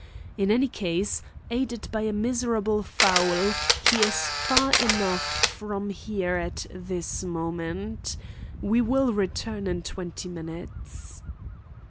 In any case, aided by a miserable fowl, he is far enough from here at this moment. We will return in twenty minutes."